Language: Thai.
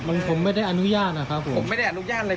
มันผมไม่ได้อนุญาตนะครับผมผมไม่ได้อนุญาตเลย